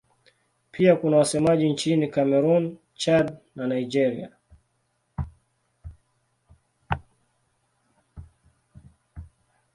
Pia kuna wasemaji nchini Kamerun, Chad na Nigeria.